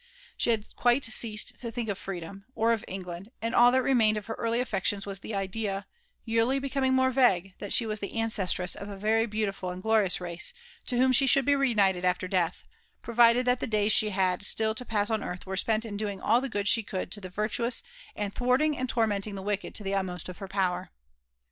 She had quite ceased to think of freedom, or of England ; and all that reinained of her early affections was the idea, yearly becoming more vague, that she was the anceslross of a very beautiful and glorious race,, to whom she should be reunited after death, provided that the days she had stiil to pass on earth were spent in doing all the good she could to the virtuous, and thwarting and tormenting the wicked to the utmost of her power.